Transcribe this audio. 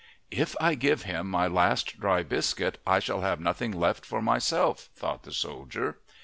"If I give him my last dry biscuit I shall have nothing left for myself," thought the soldier.